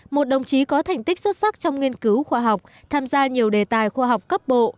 một đồng chí có thành tích xuất sắc trong nghiên cứu khoa học tham gia nhiều đề tài khoa học cấp bộ